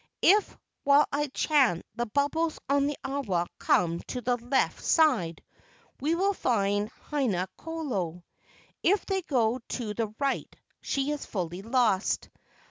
If, while I chant, the bubbles on the awa come to the left side, we will find Haina kolo. If they go to the right, she is fully lost.